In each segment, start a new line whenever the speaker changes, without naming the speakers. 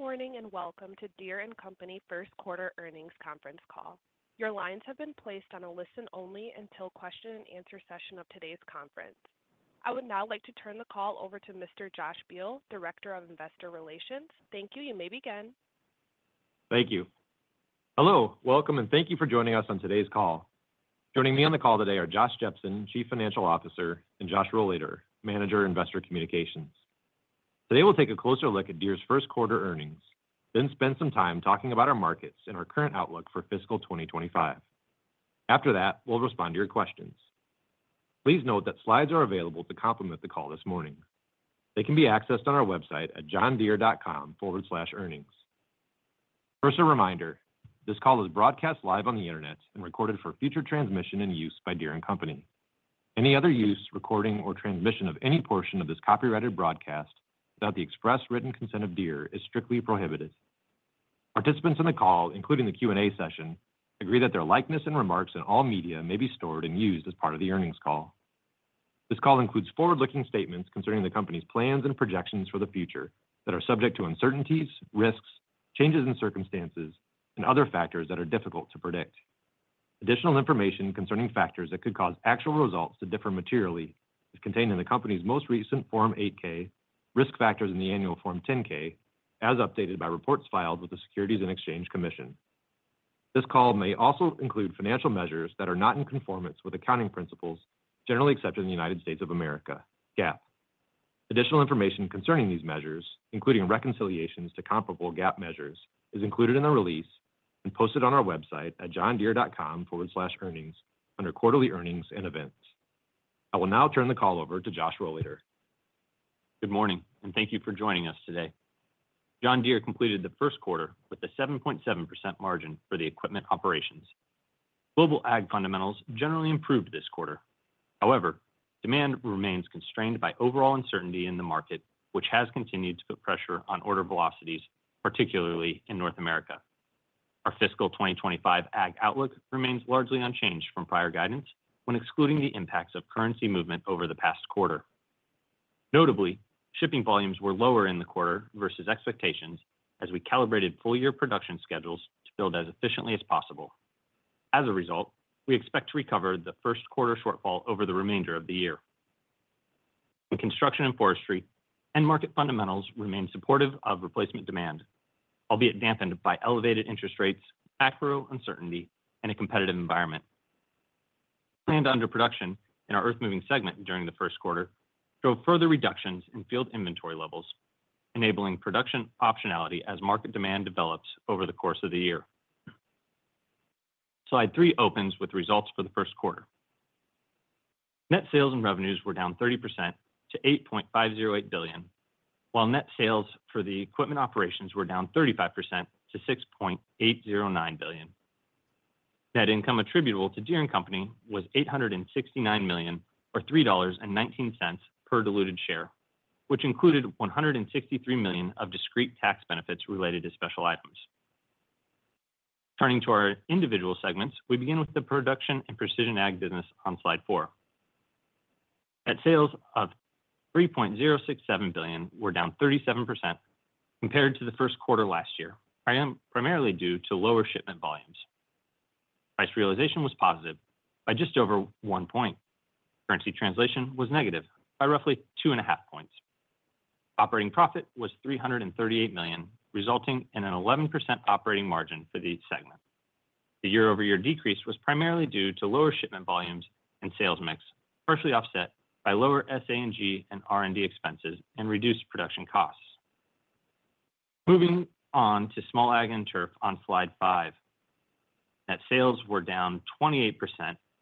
Good morning and welcome to Deere & Company First Quarter Earnings Conference Call. Your lines have been placed on a listen-only until question-and-answer session of today's conference. I would now like to turn the call over to Mr. Josh Beal, Director of Investor Relations. Thank you. You may begin.
Thank you. Hello. Welcome, and thank you for joining us on today's call. Joining me on the call today are Josh Jepsen, Chief Financial Officer, and Josh Rohleder, Manager of Investor Communications. Today, we'll take a closer look at Deere's first quarter earnings, then spend some time talking about our markets and our current outlook for fiscal 2025. After that, we'll respond to your questions. Please note that slides are available to complement the call this morning. They can be accessed on our website at johndeere.com/earnings. First, a reminder, this call is broadcast live on the internet and recorded for future transmission and use by Deere & Company. Any other use, recording, or transmission of any portion of this copyrighted broadcast without the express written consent of Deere is strictly prohibited. Participants in the call, including the Q&A session, agree that their likeness and remarks in all media may be stored and used as part of the earnings call. This call includes forward-looking statements concerning the company's plans and projections for the future that are subject to uncertainties, risks, changes in circumstances, and other factors that are difficult to predict. Additional information concerning factors that could cause actual results to differ materially is contained in the company's most recent Form 8-K, risk factors in the annual Form 10-K, as updated by reports filed with the Securities and Exchange Commission. This call may also include financial measures that are not in conformance with accounting principles, generally accepted in the United States of America, GAAP. Additional information concerning these measures, including reconciliations to comparable GAAP measures, is included in the release and posted on our website at johndeere.com/earnings under Quarterly Earnings and Events. I will now turn the call over to Josh Rohleder.
Good morning, and thank you for joining us today. John Deere completed the first quarter with a 7.7% margin for the equipment operations. Global ag fundamentals generally improved this quarter. However, demand remains constrained by overall uncertainty in the market, which has continued to put pressure on order velocities, particularly in North America. Our fiscal 2025 ag outlook remains largely unchanged from prior guidance when excluding the impacts of currency movement over the past quarter. Notably, shipping volumes were lower in the quarter versus expectations as we calibrated full-year production schedules to build as efficiently as possible. As a result, we expect to recover the first quarter shortfall over the remainder of the year. In construction and forestry, end market fundamentals remain supportive of replacement demand, albeit dampened by elevated interest rates, macro uncertainty, and a competitive environment. Land under production in our earth-moving segment during the first quarter drove further reductions in field inventory levels, enabling production optionality as market demand develops over the course of the year. Slide three opens with results for the first quarter. Net sales and revenues were down 30% to $8.508 billion, while net sales for the equipment operations were down 35% to $6.809 billion. Net income attributable to Deere & Company was $869 million, or $3.19 per diluted share, which included $163 million of discrete tax benefits related to special items. Turning to our individual segments, we begin with the production and precision ag business on Slide four. Net sales of $3.067 billion were down 37% compared to the first quarter last year, primarily due to lower shipment volumes. Price realization was positive by just over one point. Currency translation was negative by roughly two and a half points. Operating profit was $338 million, resulting in an 11% operating margin for the segment. The year-over-year decrease was primarily due to lower shipment volumes and sales mix, partially offset by lower SA&G and R&D expenses and reduced production costs. Moving on to small ag and turf on Slide five. Net sales were down 28%,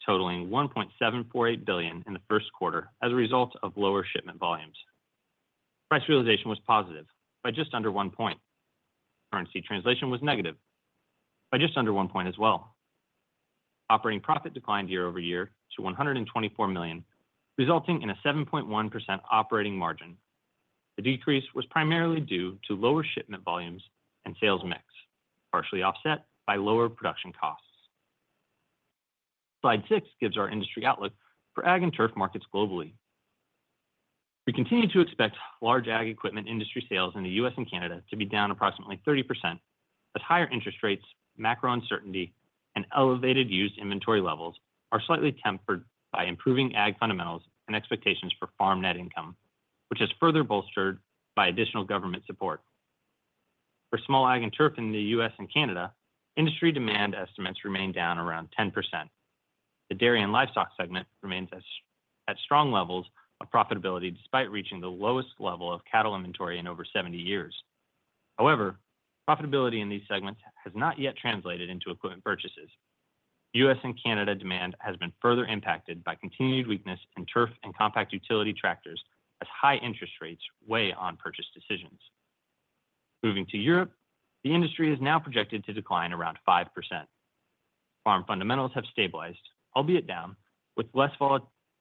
totaling $1.748 billion in the first quarter as a result of lower shipment volumes. Price realization was positive by just under one point. Currency translation was negative by just under one point as well. Operating profit declined year-over-year to $124 million, resulting in a 7.1% operating margin. The decrease was primarily due to lower shipment volumes and sales mix, partially offset by lower production costs. Slide six gives our industry outlook for ag and turf markets globally. We continue to expect large ag equipment industry sales in the U.S. and Canada to be down approximately 30%, but higher interest rates, macro uncertainty, and elevated used inventory levels are slightly tempered by improving ag fundamentals and expectations for farm net income, which is further bolstered by additional government support. For small ag and turf in the U.S. and Canada, industry demand estimates remain down around 10%. The dairy and livestock segment remains at strong levels of profitability despite reaching the lowest level of cattle inventory in over 70 years. However, profitability in these segments has not yet translated into equipment purchases. U.S. and Canada demand has been further impacted by continued weakness in turf and compact utility tractors as high interest rates weigh on purchase decisions. Moving to Europe, the industry is now projected to decline around 5%. Farm fundamentals have stabilized, albeit down, with less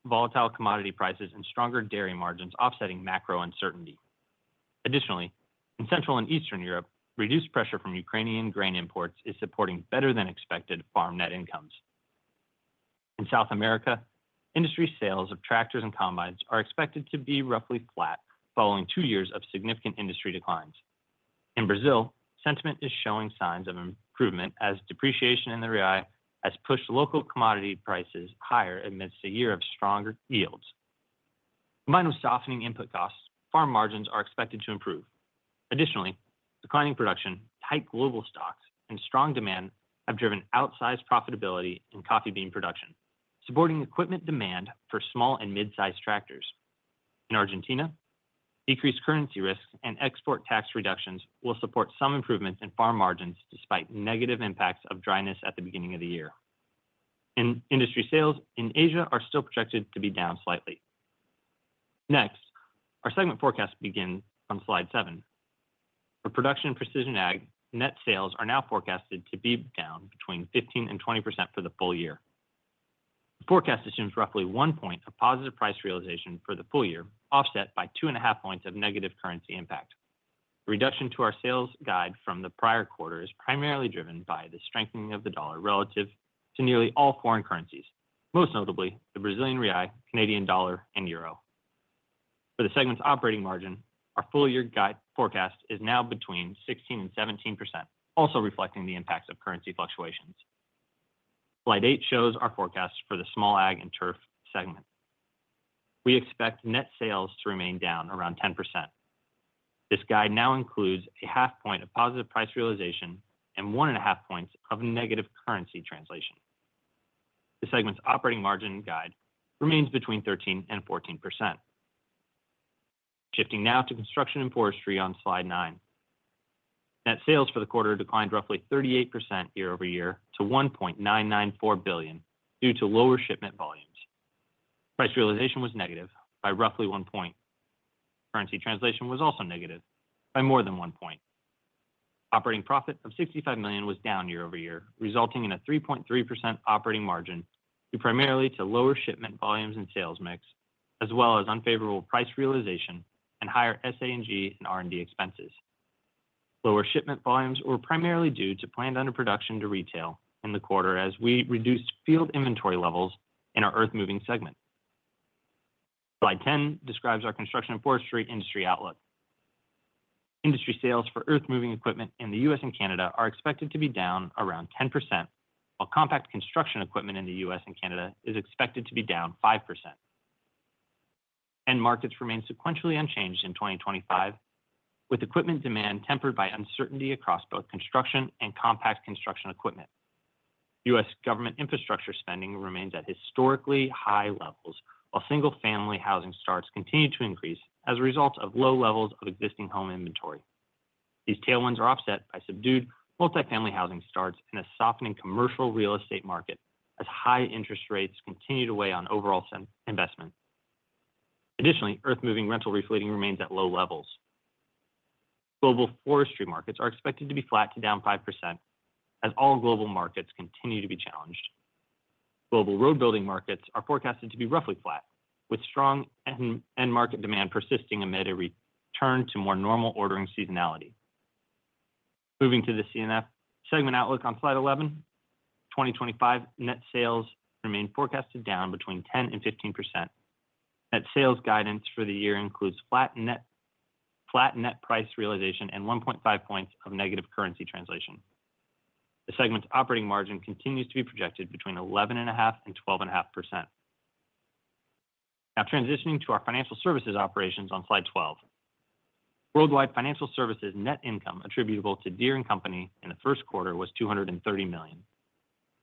volatile commodity prices and stronger dairy margins offsetting macro uncertainty. Additionally, in Central and Eastern Europe, reduced pressure from Ukrainian grain imports is supporting better-than-expected farm net incomes. In South America, industry sales of tractors and combines are expected to be roughly flat following two years of significant industry declines. In Brazil, sentiment is showing signs of improvement as depreciation in the real has pushed local commodity prices higher amidst a year of stronger yields. Combined with softening input costs, farm margins are expected to improve. Additionally, declining production, tight global stocks, and strong demand have driven outsized profitability in coffee bean production, supporting equipment demand for small and mid-sized tractors. In Argentina, decreased currency risk and export tax reductions will support some improvements in farm margins despite negative impacts of dryness at the beginning of the year. Industry sales in Asia are still projected to be down slightly. Next, our segment forecast begins on slide seven. For production and precision ag, net sales are now forecasted to be down between 15% and 20% for the full year. The forecast assumes roughly one point of positive price realization for the full year, offset by two and a half points of negative currency impact. The reduction to our sales guide from the prior quarter is primarily driven by the strengthening of the dollar relative to nearly all foreign currencies, most notably the Brazilian real, Canadian dollar, and euro. For the segment's operating margin, our full-year guide forecast is now between 16% and 17%, also reflecting the impacts of currency fluctuations. Slide eight shows our forecast for the small ag and turf segment. We expect net sales to remain down around 10%. This guide now includes a half point of positive price realization and one and a half points of negative currency translation. The segment's operating margin guide remains between 13% and 14%. Shifting now to construction and forestry on Slide nine. Net sales for the quarter declined roughly 38% year-over-year to $1.994 billion due to lower shipment volumes. Price realization was negative by roughly one point. Currency translation was also negative by more than one point. Operating profit of $65 million was down year-over-year, resulting in a 3.3% operating margin due primarily to lower shipment volumes and sales mix, as well as unfavorable price realization and higher SA&G and R&D expenses. Lower shipment volumes were primarily due to planned underproduction to retail in the quarter as we reduced field inventory levels in our earth-moving segment. Slide 10 describes our construction and forestry industry outlook. Industry sales for earth-moving equipment in the U.S. and Canada are expected to be down around 10%, while compact construction equipment in the U.S. and Canada is expected to be down 5%. End markets remain sequentially unchanged in 2025, with equipment demand tempered by uncertainty across both construction and compact construction equipment. U.S. government infrastructure spending remains at historically high levels, while single-family housing starts continue to increase as a result of low levels of existing home inventory. These tailwinds are offset by subdued multi-family housing starts and a softening commercial real estate market as high interest rates continue to weigh on overall investment. Additionally, earth-moving rental fleet utilization remains at low levels. Global forestry markets are expected to be flat to down 5% as all global markets continue to be challenged. Global road building markets are forecasted to be roughly flat, with strong end market demand persisting amid a return to more normal ordering seasonality. Moving to the C&F segment outlook on Slide 11. 2025 net sales remain forecasted down between 10% and 15%. Net sales guidance for the year includes flat net price realization and 1.5 points of negative currency translation. The segment's operating margin continues to be projected between 11.5% and 12.5%. Now transitioning to our financial services operations on Slide 12. Worldwide financial services net income attributable to Deere & Company in the first quarter was $230 million.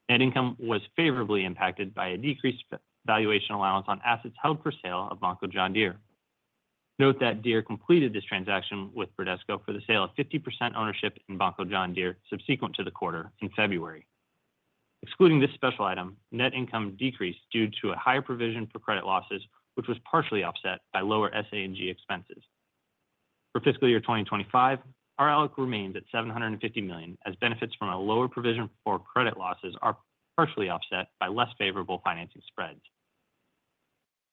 Net income was favorably impacted by a decreased valuation allowance on assets held for sale of Banco John Deere. Note that Deere completed this transaction with Bradesco for the sale of 50% ownership in Banco John Deere subsequent to the quarter in February. Excluding this special item, net income decreased due to a higher provision for credit losses, which was partially offset by lower SA&G expenses. For fiscal year 2025, our outlook remains at $750 million as benefits from a lower provision for credit losses are partially offset by less favorable financing spreads.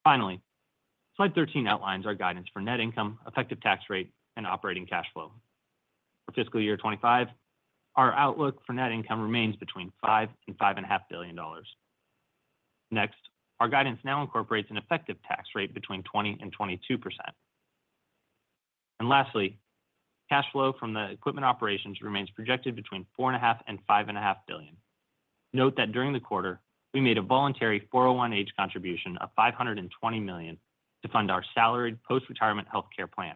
Finally, Slide 13 outlines our guidance for net income, effective tax rate, and operating cash flow. For fiscal year 25, our outlook for net income remains between $5 billion and $5.5 billion. Next, our guidance now incorporates an effective tax rate between 20% and 22%. And lastly, cash flow from the equipment operations remains projected between $4.5 billion and $5.5 billion. Note that during the quarter, we made a voluntary 401(h) contribution of $520 million to fund our salaried post-retirement healthcare plan.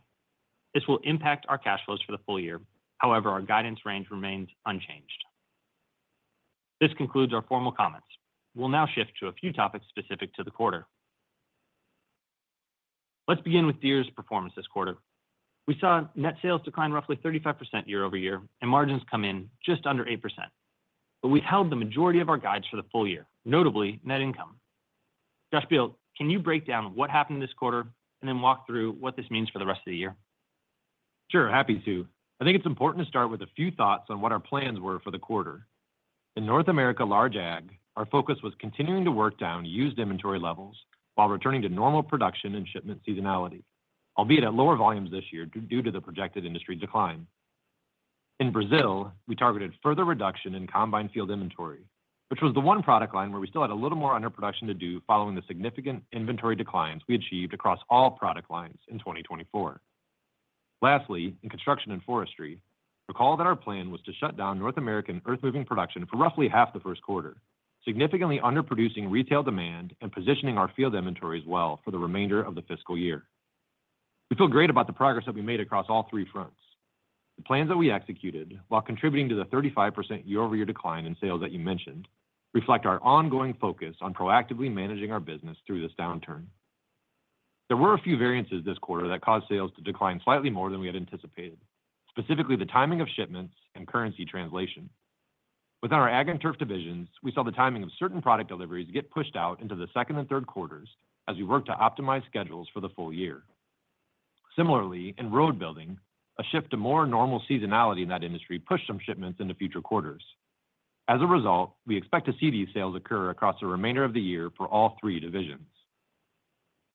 This will impact our cash flows for the full year. However, our guidance range remains unchanged. This concludes our formal comments. We'll now shift to a few topics specific to the quarter. Let's begin with Deere's performance this quarter. We saw net sales decline roughly 35% year-over-year, and margins come in just under 8%. But we've held the majority of our guides for the full year, notably net income. Josh Beal, can you break down what happened this quarter and then walk through what this means for the rest of the year?
Sure, happy to. I think it's important to start with a few thoughts on what our plans were for the quarter. In North America large ag, our focus was continuing to work down used inventory levels while returning to normal production and shipment seasonality, albeit at lower volumes this year due to the projected industry decline. In Brazil, we targeted further reduction in combine field inventory, which was the one product line where we still had a little more underproduction to do following the significant inventory declines we achieved across all product lines in 2024. Lastly, in construction and forestry, recall that our plan was to shut down North American earth-moving production for roughly half the first quarter, significantly underproducing retail demand and positioning our field inventories well for the remainder of the fiscal year. We feel great about the progress that we made across all three fronts. The plans that we executed, while contributing to the 35% year-over-year decline in sales that you mentioned, reflect our ongoing focus on proactively managing our business through this downturn. There were a few variances this quarter that caused sales to decline slightly more than we had anticipated, specifically the timing of shipments and currency translation. Within our ag and turf divisions, we saw the timing of certain product deliveries get pushed out into the second and third quarters as we worked to optimize schedules for the full year. Similarly, in road building, a shift to more normal seasonality in that industry pushed some shipments into future quarters. As a result, we expect to see these sales occur across the remainder of the year for all three divisions.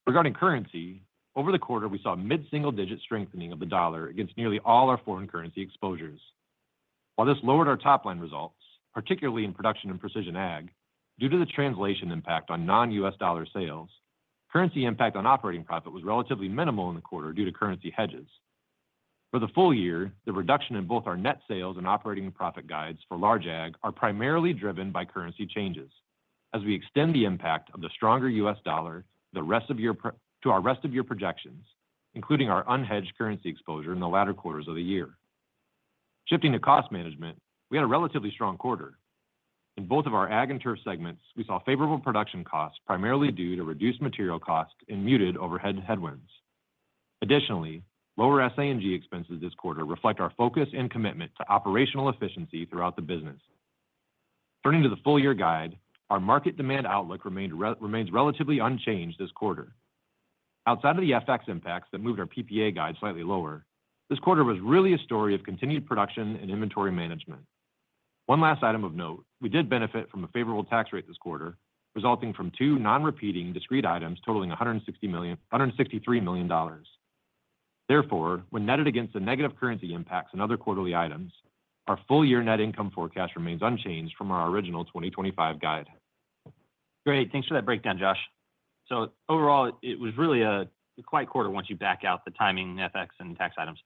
Regarding currency, over the quarter, we saw mid-single digit strengthening of the dollar against nearly all our foreign currency exposures. While this lowered our top line results, particularly in production and precision ag, due to the translation impact on non-U.S. dollar sales, currency impact on operating profit was relatively minimal in the quarter due to currency hedges. For the full year, the reduction in both our net sales and operating profit guides for large ag are primarily driven by currency changes as we extend the impact of the stronger U.S. dollar to our rest of year projections, including our unhedged currency exposure in the latter quarters of the year. Shifting to cost management, we had a relatively strong quarter. In both of our ag and turf segments, we saw favorable production costs primarily due to reduced material costs and muted overhead headwinds. Additionally, lower SA&G expenses this quarter reflect our focus and commitment to operational efficiency throughout the business. Turning to the full year guide, our market demand outlook remains relatively unchanged this quarter. Outside of the FX impacts that moved our PPA guide slightly lower, this quarter was really a story of continued production and inventory management. One last item of note, we did benefit from a favorable tax rate this quarter, resulting from two non-repeating discrete items totaling $163 million. Therefore, when netted against the negative currency impacts and other quarterly items, our full year net income forecast remains unchanged from our original 2025 guide.
Great. Thanks for that breakdown, Josh. So overall, it was really a quiet quarter once you back out the timing, FX, and tax items.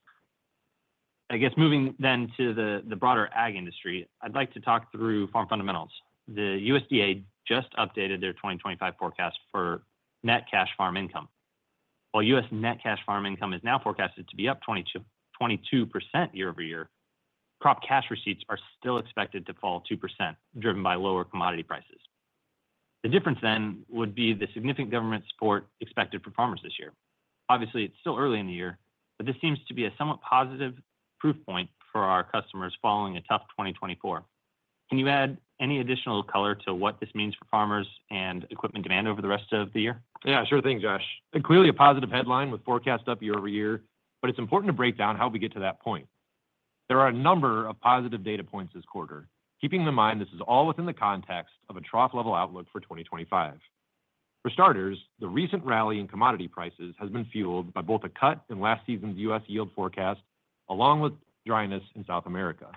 I guess moving then to the broader ag industry, I'd like to talk through farm fundamentals. The USDA just updated their 2025 forecast for net cash farm income. While U.S. net cash farm income is now forecasted to be up 22% year-over-year, crop cash receipts are still expected to fall 2%, driven by lower commodity prices. The difference then would be the significant government support expected for farmers this year. Obviously, it's still early in the year, but this seems to be a somewhat positive proof point for our customers following a tough 2024. Can you add any additional color to what this means for farmers and equipment demand over the rest of the year?
Yeah, sure thing, Josh. Clearly a positive headline with forecast up year-over-year, but it's important to break down how we get to that point. There are a number of positive data points this quarter. Keeping in mind this is all within the context of a trough level outlook for 2025. For starters, the recent rally in commodity prices has been fueled by both a cut in last season's U.S. yield forecast, along with dryness in South America.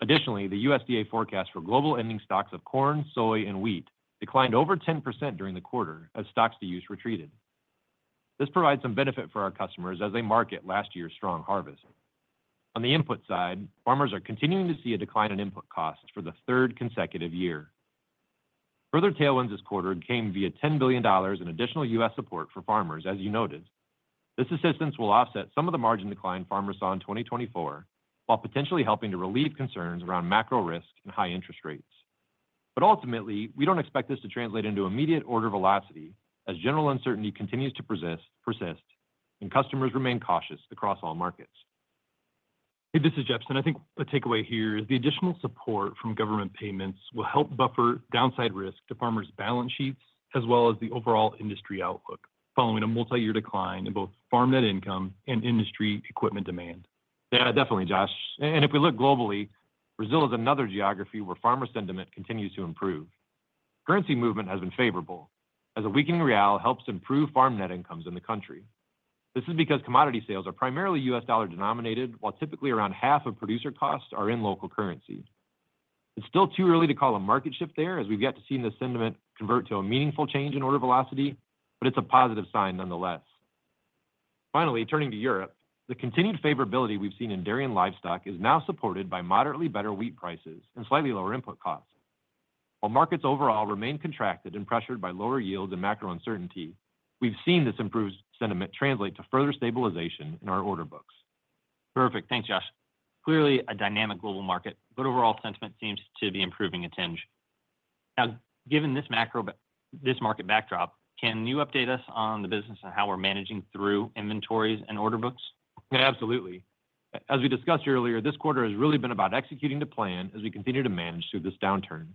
Additionally, the USDA forecast for global ending stocks of corn, soy, and wheat declined over 10% during the quarter as stocks to use retreated. This provides some benefit for our customers as they market last year's strong harvest. On the input side, farmers are continuing to see a decline in input costs for the third consecutive year. Further tailwinds this quarter came via $10 billion in additional U.S. support for farmers, as you noted. This assistance will offset some of the margin decline farmers saw in 2024, while potentially helping to relieve concerns around macro risk and high interest rates. But ultimately, we don't expect this to translate into immediate order velocity as general uncertainty continues to persist and customers remain cautious across all markets.
Hey, this is Jepsen. I think the takeaway here is the additional support from government payments will help buffer downside risk to farmers' balance sheets as well as the overall industry outlook following a multi-year decline in both farm net income and industry equipment demand.
Yeah, definitely, Josh. And if we look globally, Brazil is another geography where farmer sentiment continues to improve. Currency movement has been favorable as a weakening real helps improve farm net incomes in the country. This is because commodity sales are primarily U.S. dollar denominated, while typically around half of producer costs are in local currency. It's still too early to call a market shift there as we've yet to see the sentiment convert to a meaningful change in order velocity, but it's a positive sign nonetheless. Finally, turning to Europe, the continued favorability we've seen in dairy and livestock is now supported by moderately better wheat prices and slightly lower input costs. While markets overall remain contracted and pressured by lower yields and macro uncertainty, we've seen this improved sentiment translate to further stabilization in our order books.
Perfect. Thanks, Josh. Clearly a dynamic global market, but overall sentiment seems to be improving a tinge. Now, given this market backdrop, can you update us on the business and how we're managing through inventories and order books?
Yeah, absolutely. As we discussed earlier, this quarter has really been about executing the plan as we continue to manage through this downturn.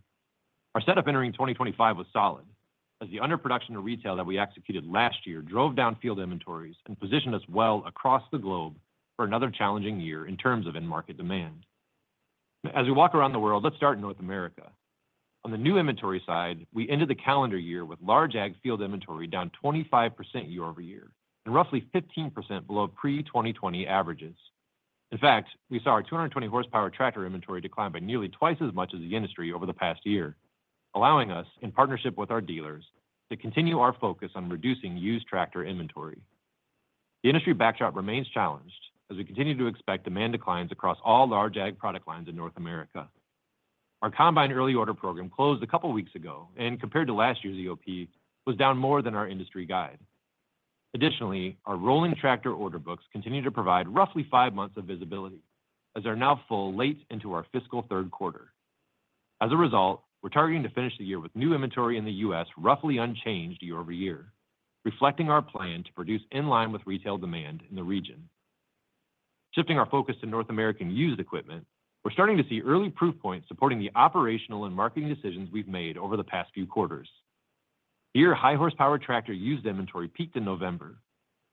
Our setup entering 2025 was solid as the underproduction to retail that we executed last year drove down field inventories and positioned us well across the globe for another challenging year in terms of end market demand. As we walk around the world, let's start in North America. On the new inventory side, we ended the calendar year with large ag field inventory down 25% year-over-year and roughly 15% below pre-2020 averages. In fact, we saw our 220-Horsepower tractor inventory decline by nearly twice as much as the industry over the past year, allowing us, in partnership with our dealers, to continue our focus on reducing used tractor inventory. The industry backdrop remains challenged as we continue to expect demand declines across all large ag product lines in North America. Our combine early order program closed a couple of weeks ago and, compared to last year's EOP, was down more than our industry guide. Additionally, our rolling tractor order books continue to provide roughly five months of visibility as they're now full late into our fiscal third quarter. As a result, we're targeting to finish the year with new inventory in the U.S. roughly unchanged year-over-year, reflecting our plan to produce in line with retail demand in the region. Shifting our focus to North American used equipment, we're starting to see early proof points supporting the operational and marketing decisions we've made over the past few quarters. Deere high-horsepower tractor used inventory peaked in November,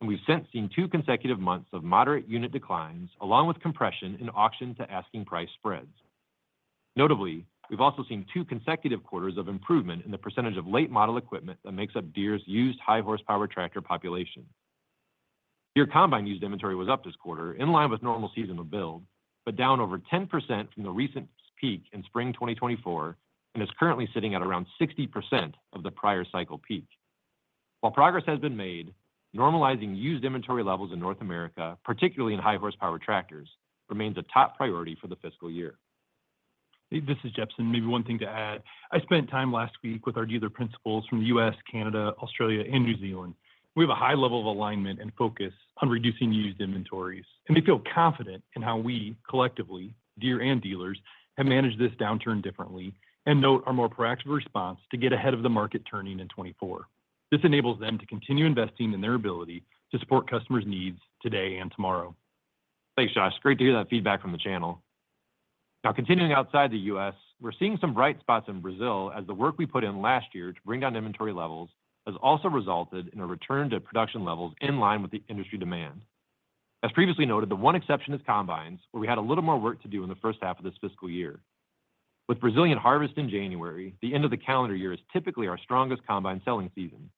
and we've since seen two consecutive months of moderate unit declines along with compression in auction to asking price spreads. Notably, we've also seen two consecutive quarters of improvement in the percentage of late model equipment that makes up Deere's used high-horsepower tractor population. Deere combine used inventory was up this quarter in line with normal seasonal build, but down over 10% from the recent peak in spring 2024 and is currently sitting at around 60% of the prior cycle peak. While progress has been made, normalizing used inventory levels in North America, particularly in high-horsepower tractors, remains a top priority for the fiscal year.
Hey, this is Jepsen. Maybe one thing to add. I spent time last week with our dealer principals from the U.S., Canada, Australia, and New Zealand. We have a high level of alignment and focus on reducing used inventories, and they feel confident in how we collectively, Deere and dealers, have managed this downturn differently and note our more proactive response to get ahead of the market turning in 2024. This enables them to continue investing in their ability to support customers' needs today and tomorrow.
Thanks, Josh. Great to hear that feedback from the channel. Now, continuing outside the U.S., we're seeing some bright spots in Brazil as the work we put in last year to bring down inventory levels has also resulted in a return to production levels in line with the industry demand. As previously noted, the one exception is combines where we had a little more work to do in the first half of this fiscal year. With Brazilian harvest in January, the end of the calendar year is typically our strongest combine selling season.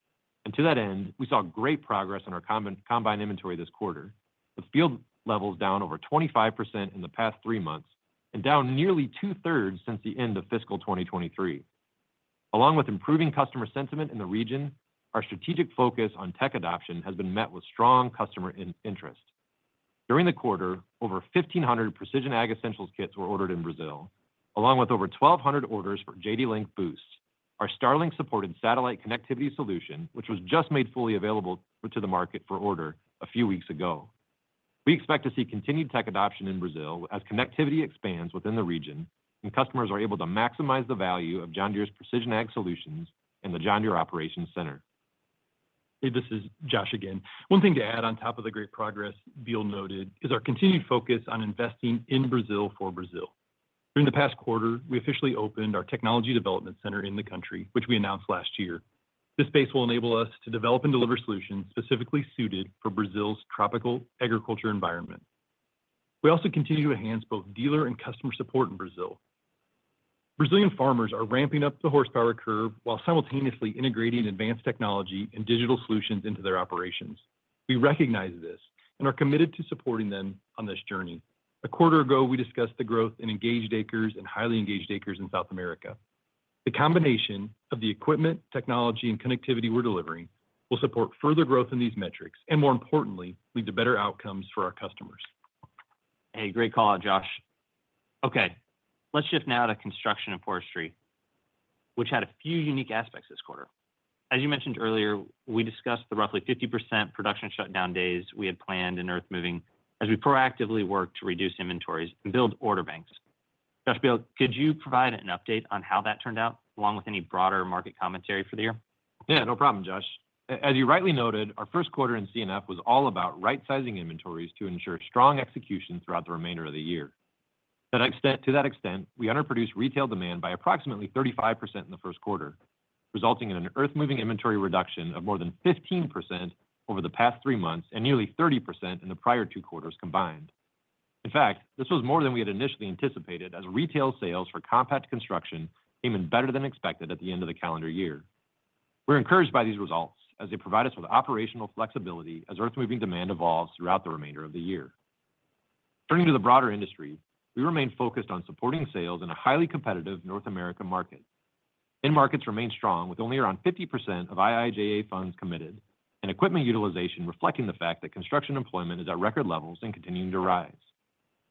And to that end, we saw great progress in our combine inventory this quarter, with field levels down over 25% in the past three months and down nearly two-thirds since the end of fiscal 2023. Along with improving customer sentiment in the region, our strategic focus on tech adoption has been met with strong customer interest. During the quarter, over 1,500 Precision Ag Essentials kits were ordered in Brazil, along with over 1,200 orders for JDLink Boost, our Starlink-supported satellite connectivity solution, which was just made fully available to the market for order a few weeks ago. We expect to see continued tech adoption in Brazil as connectivity expands within the region and customers are able to maximize the value of John Deere's precision ag solutions and the John Deere Operations Center.
Hey, this is Josh again. One thing to add on top of the great progress Biel noted is our continued focus on investing in Brazil for Brazil. During the past quarter, we officially opened our technology development center in the country, which we announced last year. This space will enable us to develop and deliver solutions specifically suited for Brazil's tropical agriculture environment. We also continue to enhance both dealer and customer support in Brazil. Brazilian farmers are ramping up the horsepower curve while simultaneously integrating advanced technology and digital solutions into their operations. We recognize this and are committed to supporting them on this journey. A quarter ago, we discussed the growth in engaged acres and highly engaged acres in South America. The combination of the equipment, technology, and connectivity we're delivering will support further growth in these metrics and, more importantly, lead to better outcomes for our customers.
Hey, great callout, Josh. Okay, let's shift now to construction and forestry, which had a few unique aspects this quarter. As you mentioned earlier, we discussed the roughly 50% production shutdown days we had planned in earthmoving as we proactively worked to reduce inventories and build order banks. Josh Beal, could you provide an update on how that turned out, along with any broader market commentary for the year?
Yeah, no problem, Josh. As you rightly noted, our first quarter in C&F was all about right-sizing inventories to ensure strong execution throughout the remainder of the year. To that extent, we underproduced retail demand by approximately 35% in the first quarter, resulting in an Earth Moving inventory reduction of more than 15% over the past three months and nearly 30% in the prior two quarters combined. In fact, this was more than we had initially anticipated as retail sales for compact construction came in better than expected at the end of the calendar year. We're encouraged by these results as they provide us with operational flexibility as Earth Moving demand evolves throughout the remainder of the year. Turning to the broader industry, we remained focused on supporting sales in a highly competitive North America market. End markets remained strong with only around 50% of IIJA funds committed and equipment utilization reflecting the fact that construction employment is at record levels and continuing to rise.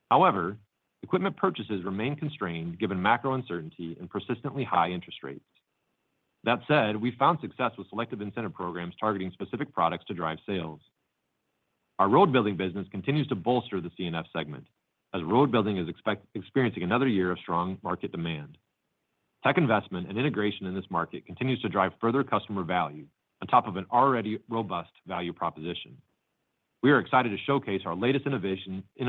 However, equipment purchases remain constrained given macro uncertainty and persistently high interest rates. That said, we've found success with selective incentive programs targeting specific products to drive sales. Our road building business continues to bolster the C&F segment as road building is experiencing another year of strong market demand. Tech investment and integration in this market continues to drive further customer value on top of an already robust value proposition. We are excited to showcase our latest innovations in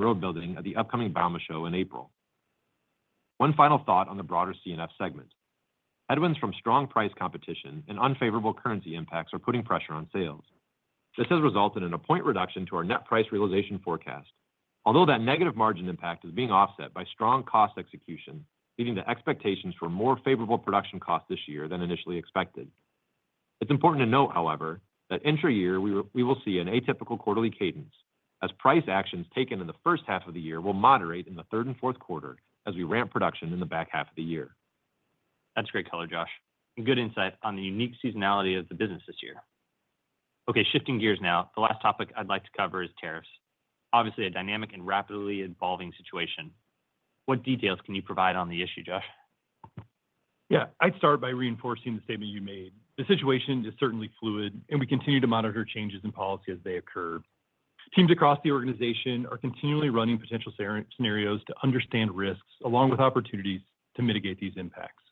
road building at the upcoming bauma show in April. One final thought on the broader C&F segment. Headwinds from strong price competition and unfavorable currency impacts are putting pressure on sales. This has resulted in a point reduction to our net price realization forecast, although that negative margin impact is being offset by strong cost execution, leading to expectations for more favorable production costs this year than initially expected. It's important to note, however, that intra-year we will see an atypical quarterly cadence as price actions taken in the first half of the year will moderate in the third and fourth quarter as we ramp production in the back half of the year.
That's great color, Josh, and good insight on the unique seasonality of the business this year. Okay, shifting gears now, the last topic I'd like to cover is tariffs. Obviously, a dynamic and rapidly evolving situation. What details can you provide on the issue, Josh?
Yeah, I'd start by reinforcing the statement you made. The situation is certainly fluid, and we continue to monitor changes in policy as they occur. Teams across the organization are continually running potential scenarios to understand risks along with opportunities to mitigate these impacts.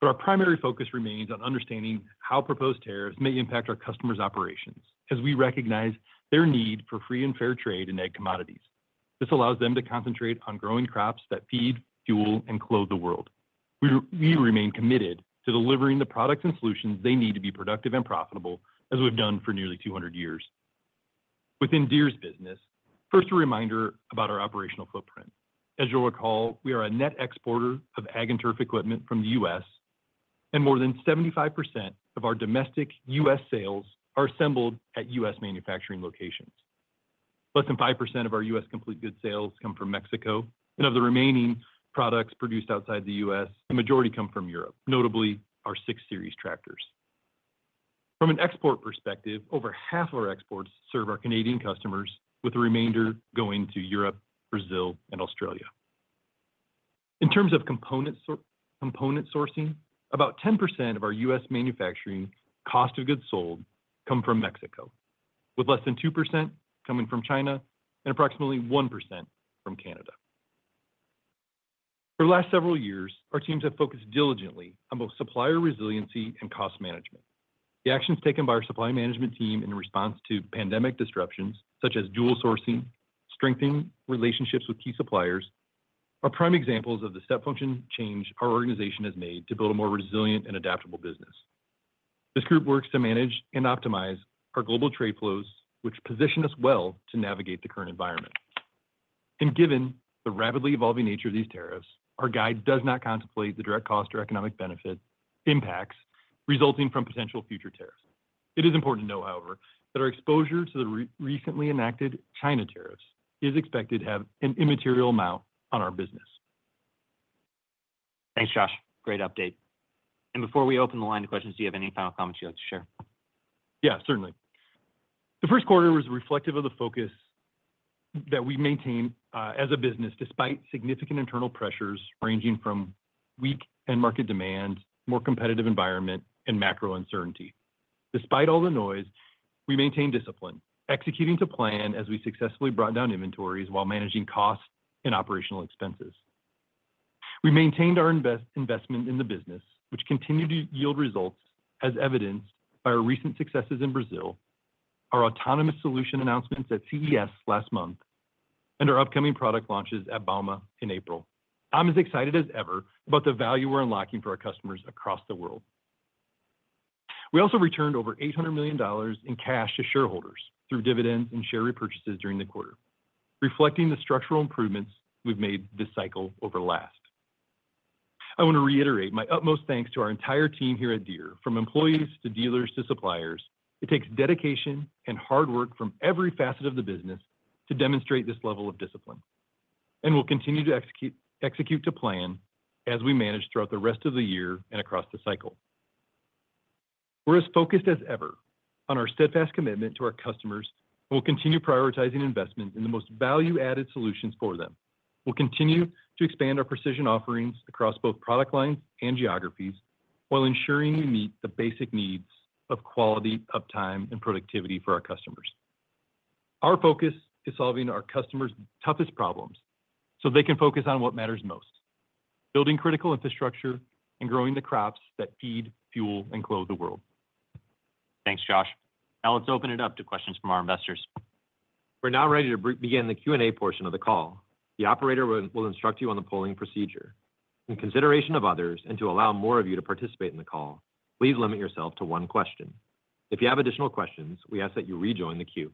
But our primary focus remains on understanding how proposed tariffs may impact our customers' operations as we recognize their need for free and fair trade in ag commodities. This allows them to concentrate on growing crops that feed, fuel, and clothe the world. We remain committed to delivering the products and solutions they need to be productive and profitable as we've done for nearly 200 years. Within Deere's business, first, a reminder about our operational footprint. As you'll recall, we are a net exporter of ag and turf equipment from the U.S., and more than 75% of our domestic U.S. sales are assembled at U.S. manufacturing locations. Less than 5% of our U.S. complete goods sales come from Mexico, and of the remaining products produced outside the U.S., the majority come from Europe, notably our 6 Series tractors. From an export perspective, over half of our exports serve our Canadian customers, with the remainder going to Europe, Brazil, and Australia. In terms of component sourcing, about 10% of our U.S. manufacturing cost of goods sold come from Mexico, with less than 2% coming from China and approximately 1% from Canada. For the last several years, our teams have focused diligently on both supplier resiliency and cost management. The actions taken by our supply management team in response to pandemic disruptions, such as dual sourcing, strengthening relationships with key suppliers, are prime examples of the step function change our organization has made to build a more resilient and adaptable business. This group works to manage and optimize our global trade flows, which position us well to navigate the current environment, and given the rapidly evolving nature of these tariffs, our guide does not contemplate the direct cost or economic benefit impacts resulting from potential future tariffs. It is important to know, however, that our exposure to the recently enacted China tariffs is expected to have an immaterial amount on our business.
Thanks, Josh. Great update. Before we open the line to questions, do you have any final comments you'd like to share?
Yeah, certainly. The first quarter was reflective of the focus that we maintain as a business despite significant internal pressures ranging from weak end market demand, more competitive environment, and macro uncertainty. Despite all the noise, we maintained discipline, executing to plan as we successfully brought down inventories while managing costs and operational expenses. We maintained our investment in the business, which continued to yield results as evidenced by our recent successes in Brazil, our autonomous solution announcements at CES last month, and our upcoming product launches at bauma in April. I'm as excited as ever about the value we're unlocking for our customers across the world. We also returned over $800 million in cash to shareholders through dividends and share repurchases during the quarter, reflecting the structural improvements we've made this cycle over the last. I want to reiterate my utmost thanks to our entire team here at Deere, from employees to dealers to suppliers. It takes dedication and hard work from every facet of the business to demonstrate this level of discipline, and we'll continue to execute to plan as we manage throughout the rest of the year and across the cycle. We're as focused as ever on our steadfast commitment to our customers and will continue prioritizing investment in the most value-added solutions for them. We'll continue to expand our precision offerings across both product lines and geographies while ensuring we meet the basic needs of quality, uptime, and productivity for our customers. Our focus is solving our customers' toughest problems so they can focus on what matters most: building critical infrastructure and growing the crops that feed, fuel, and clothe the world.
Thanks, Josh. Now let's open it up to questions from our investors. We're now ready to begin the Q&A portion of the call. The operator will instruct you on the polling procedure. In consideration of others and to allow more of you to participate in the call, please limit yourself to one question. If you have additional questions, we ask that you rejoin the queue.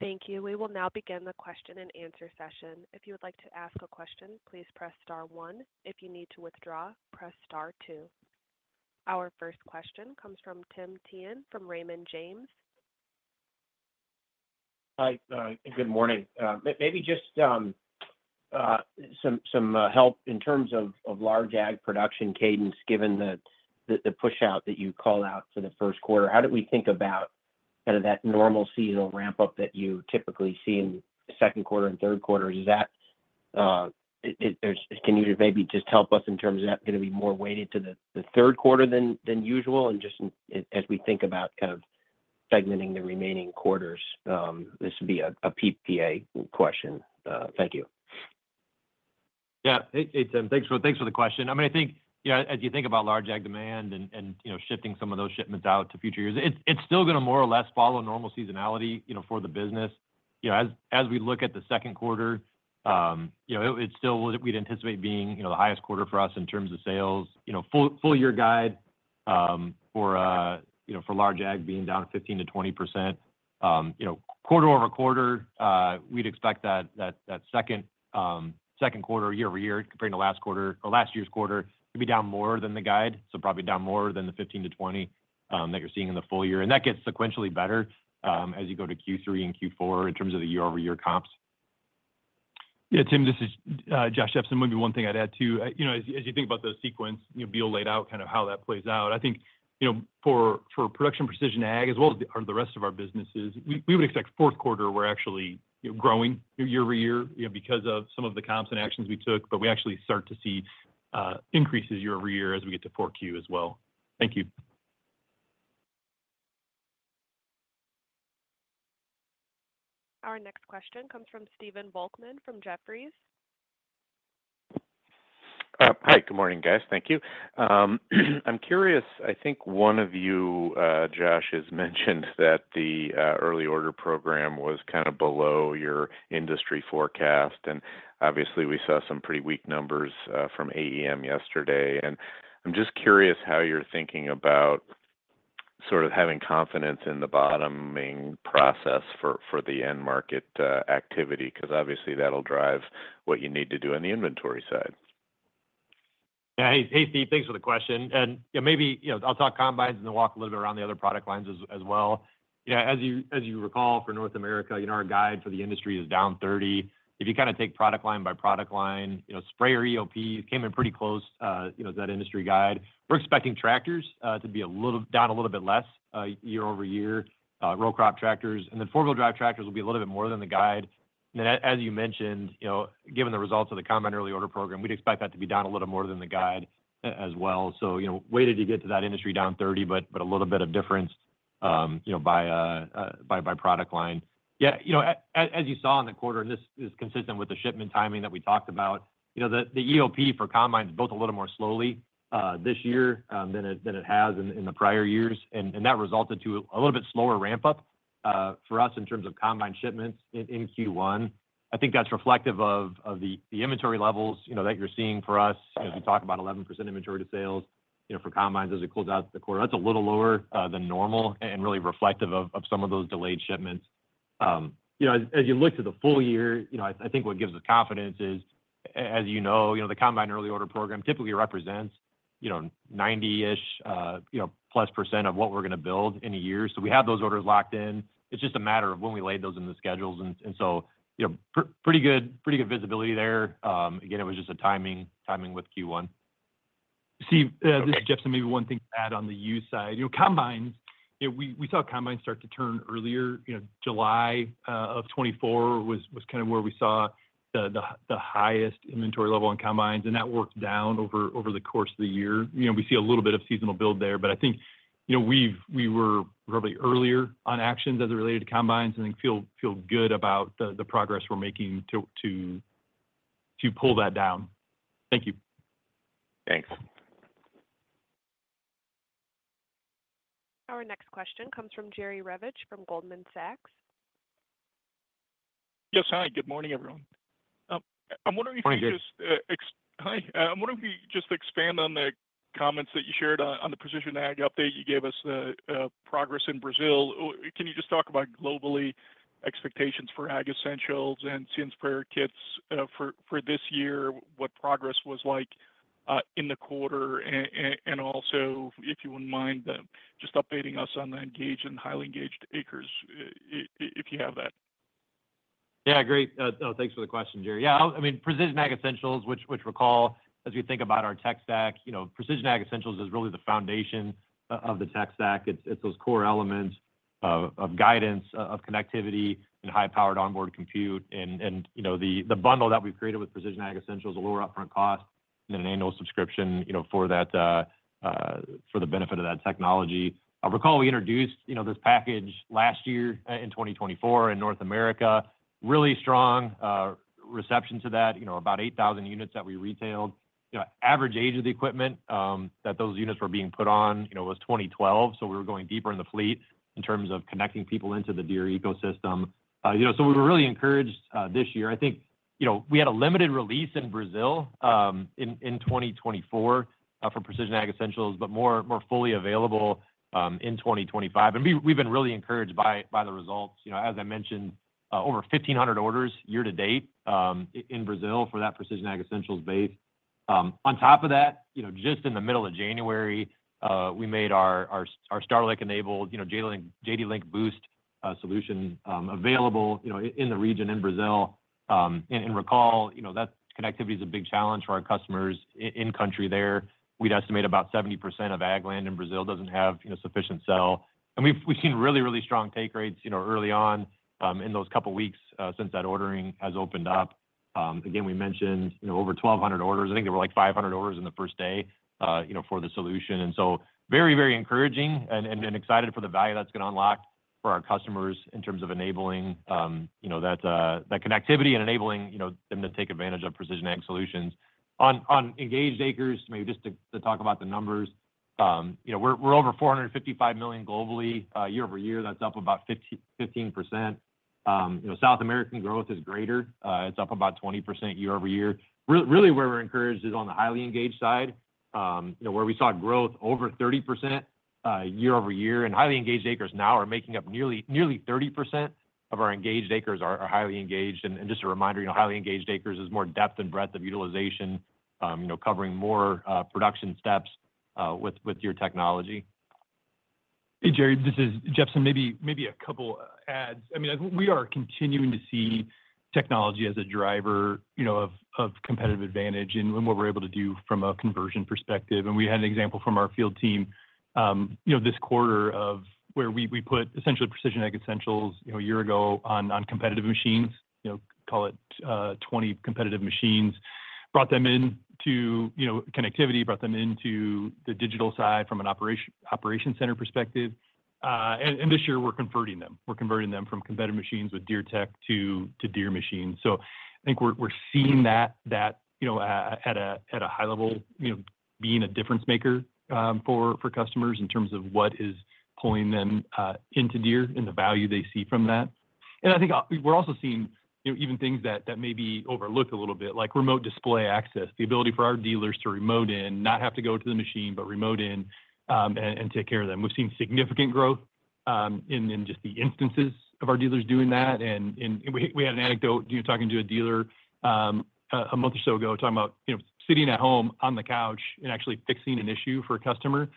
Thank you. We will now begin the question and answer session. If you would like to ask a question, please press star one. If you need to withdraw, press star two. Our first question comes from Tim Thein from Raymond James.
Hi. Good morning. Maybe just some help in terms of large ag production cadence, given the push-out that you call out for the first quarter. How did we think about kind of that normal seasonal ramp-up that you typically see in the second quarter and third quarter? Can you maybe just help us in terms of that going to be more weighted to the third quarter than usual, and just as we think about kind of segmenting the remaining quarters, this would be a PPA question. Thank you.
Yeah, hey, Tim. Thanks for the question. I mean, I think as you think about large ag demand and shifting some of those shipments out to future years, it's still going to more or less follow normal seasonality for the business. As we look at the second quarter, it still would, we'd anticipate being the highest quarter for us in terms of sales. Full-year guide for large ag being down 15%-20%. Quarter over quarter, we'd expect that second quarter year over year, compared to last quarter or last year's quarter, to be down more than the guide. So probably down more than the 15%-20% that you're seeing in the full year. And that gets sequentially better as you go to Q3 and Q4 in terms of the year-over-year comps.
Yeah, Tim, this is Josh Jepsen. Maybe one thing I'd add too. As you think about the sequence, Beal laid out kind of how that plays out. I think for production precision ag, as well as the rest of our businesses, we would expect. Q4, we're actually growing year over year because of some of the comps and actions we took. But we actually start to see increases year over year as we get to Q4 as well. Thank you.
Our next question comes from Stephen Volkmann from Jefferies.
Hi. Good morning, guys. Thank you. I'm curious. I think one of you, Josh, has mentioned that the early order program was kind of below your industry forecast. And obviously, we saw some pretty weak numbers from AEM yesterday. And I'm just curious how you're thinking about sort of having confidence in the bottoming process for the end market activity because obviously, that'll drive what you need to do on the inventory side.
Yeah. Hey, Steve, thanks for the question. And maybe I'll talk combines and then walk a little bit around the other product lines as well. As you recall, for North America, our guide for the industry is down 30%. If you kind of take product line by product line, sprayer EOP came in pretty close to that industry guide. We're expecting tractors to be down a little bit less year over year, row crop tractors. And then four-wheel drive tractors will be a little bit more than the guide. And then as you mentioned, given the results of the combine early order program, we'd expect that to be down a little more than the guide as well. So weighted to get to that industry down 30%, but a little bit of difference by product line. Yeah. As you saw in the quarter, and this is consistent with the shipment timing that we talked about, the EOP for combines is both a little more slowly this year than it has in the prior years. And that resulted in a little bit slower ramp-up for us in terms of combine shipments in Q1. I think that's reflective of the inventory levels that you're seeing for us. We talk about 11% inventory to sales for combines as we close out the quarter. That's a little lower than normal and really reflective of some of those delayed shipments. As you look to the full year, I think what gives us confidence is, as you know, the combine early order program typically represents 90-ish+ % of what we're going to build in a year. So we have those orders locked in. It's just a matter of when we laid those in the schedules. And so pretty good visibility there. Again, it was just the timing with Q1.
Steve, this is Jepsen. Maybe one thing to add on the use side. Combines, we saw combines start to turn earlier. July of 2024 was kind of where we saw the highest inventory level on combines, and that worked down over the course of the year. We see a little bit of seasonal build there, but I think we were probably earlier on actions as it related to combines and feel good about the progress we're making to pull that down. Thank you.
Thanks.
Our next question comes from Jerry Revich from Goldman Sachs.
Yes, hi. Good morning, everyone. I'm wondering if you just.
Morning, Jerry.
Hi. I'm wondering if you could just expand on the comments that you shared on the precision ag update you gave us, the progress in Brazil. Can you just talk about global expectations for ag essentials and seed and sprayer kits for this year, what progress was like in the quarter? And also, if you wouldn't mind just updating us on the Engaged Acres and Highly Engaged Acres, if you have that.
Yeah, great. Oh, thanks for the question, Jerry. Yeah. I mean, Precision Ag Essentials, which we'll call as we think about our tech stack, Precision Ag Essentials is really the foundation of the tech stack. It's those core elements of guidance, of connectivity, and high-powered onboard compute. And the bundle that we've created with Precision Ag Essentials will lower upfront cost and then an annual subscription for the benefit of that technology. I recall we introduced this package last year in 2024 in North America. Really strong reception to that, about 8,000 units that we retailed. Average age of the equipment that those units were being put on was 2012. So we were going deeper in the fleet in terms of connecting people into the Deere ecosystem. So we were really encouraged this year. I think we had a limited release in Brazil in 2024 for Precision Ag Essentials, but more fully available in 2025, and we've been really encouraged by the results. As I mentioned, over 1,500 orders year to date in Brazil for that Precision Ag Essentials base. On top of that, just in the middle of January, we made our Starlink-enabled JDLink Boost solution available in the region in Brazil, and recall, that connectivity is a big challenge for our customers in country there. We'd estimate about 70% of ag land in Brazil doesn't have sufficient cell, and we've seen really, really strong take rates early on in those couple of weeks since that ordering has opened up. Again, we mentioned over 1,200 orders. I think there were like 500 orders in the first day for the solution. And so very, very encouraging and excited for the value that's been unlocked for our customers in terms of enabling that connectivity and enabling them to take advantage of precision ag solutions. On Engaged Acres, maybe just to talk about the numbers, we're over 455 million globally year over year. That's up about 15%. South American growth is greater. It's up about 20% year over year. Really, where we're encouraged is on the Highly Engaged side, where we saw growth over 30% year over year. And Highly Engaged Acres now are making up nearly 30% of our Engaged Acres are Highly Engaged. And just a reminder, Highly Engaged Acres is more depth and breadth of utilization, covering more production steps with your technology.
Hey, Jerry, this is Jepsen. Maybe a couple of adds. I mean, we are continuing to see technology as a driver of competitive advantage in what we're able to do from a conversion perspective. And we had an example from our field team this quarter of where we put essentially Precision Ag Essentials a year ago on competitive machines, call it 20 competitive machines, brought them into connectivity, brought them into the digital side from an Operations Center perspective. And this year, we're converting them. We're converting them from competitive machines with Deere tech to Deere machines. So I think we're seeing that at a high level being a difference maker for customers in terms of what is pulling them into Deere and the value they see from that. I think we're also seeing even things that may be overlooked a little bit, like remote display access, the ability for our dealers to remote in, not have to go to the machine, but remote in and take care of them. We've seen significant growth in just the instances of our dealers doing that. We had an anecdote talking to a dealer a month or so ago talking about sitting at home on the couch and actually fixing an issue for a customer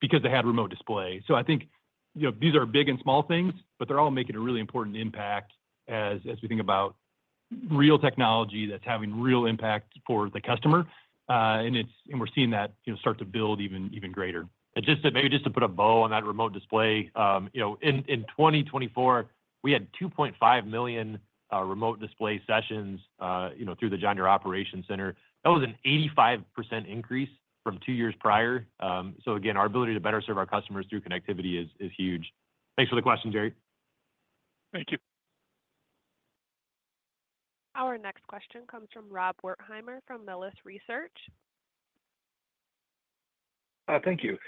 because they had remote display. So I think these are big and small things, but they're all making a really important impact as we think about real technology that's having real impact for the customer. We're seeing that start to build even greater.
Just to put a bow on that remote display, in 2024, we had 2.5 million remote display sessions through the John Deere Operations Center. That was an 85% increase from two years prior. Again, our ability to better serve our customers through connectivity is huge. Thanks for the question, Jerry.
Thank you.
Our next question comes from Rob Wertheimer from Melius Research.
Thank you.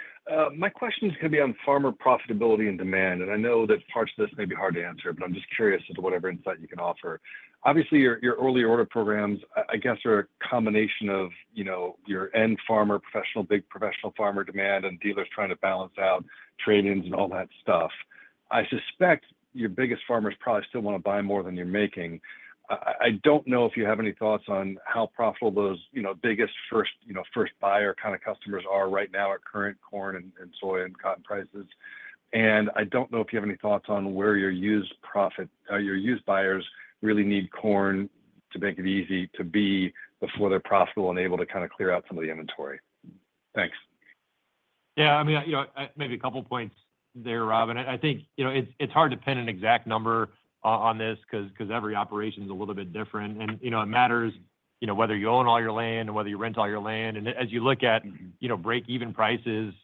My question is going to be on farmer profitability and demand. And I know that parts of this may be hard to answer, but I'm just curious as to whatever insight you can offer. Obviously, your early order programs, I guess, are a combination of your end farmer, big professional farmer demand and dealers trying to balance out trade-ins and all that stuff. I suspect your biggest farmers probably still want to buy more than you're making. I don't know if you have any thoughts on how profitable those biggest first-buyer kind of customers are right now at current corn and soy and cotton prices. And I don't know if you have any thoughts on where your used buyers really need corn to make it easy to be before they're profitable and able to kind of clear out some of the inventory. Thanks.
Yeah. I mean, maybe a couple of points there, Rob. I think it's hard to pin an exact number on this because every operation is a little bit different. And it matters whether you own all your land and whether you rent all your land. And as you look at break-even prices